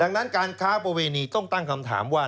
ดังนั้นการค้าประเวณีต้องตั้งคำถามว่า